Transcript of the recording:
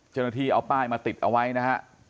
เจ้าหน้าที่เอาป้ายมาติดเอาไว้นะฮะ